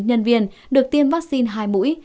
nhân viên được tiêm vaccine hai mũi